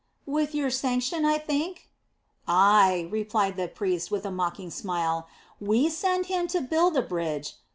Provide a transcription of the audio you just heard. "With your sanction, I think?" "Ay," replied the priest with a mocking smile. "We send him to build a bridge!